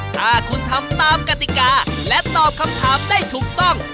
ถ้าคุณทำตามกติกาและตอบคำถามได้ถูกต้อง